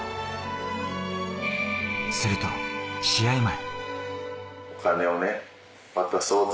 すると試合前。